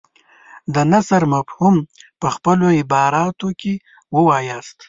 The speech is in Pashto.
د نثر مفهوم په خپلو عباراتو کې ووایاست.